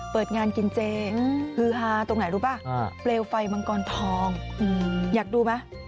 เปิดงานกินเจฮือฮาตรงไหนรู้ป่ะเปลวไฟมังกรทองอยากดูไหม